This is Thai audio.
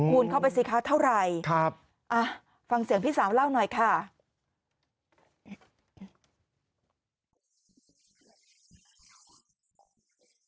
คูณเข้าไปสิคะเท่าไรฟังเสียงพี่สาวเล่าหน่อยค่ะครับ